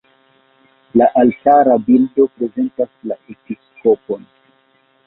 La altara bildo prezentas la episkopon.